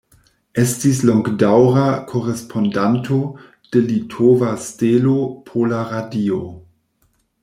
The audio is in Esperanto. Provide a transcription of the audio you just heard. Estis longdaŭra korespondanto de "Litova Stelo", Pola Radio.